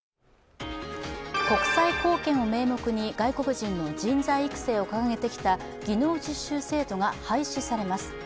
国際貢献を名目に外国人の人材育成を掲げてきた技能実習制度が廃止されます。